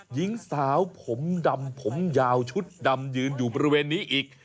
หญิงสาวผมดำผมยาวชุดดำยืนอยู่บริเวณนี้อีก